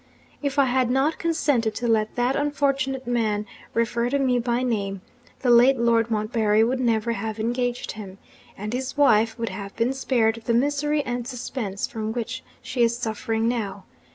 If I had not consented to let that unfortunate man refer to me by name, the late Lord Montbarry would never have engaged him, and his wife would have been spared the misery and suspense from which she is suffering now.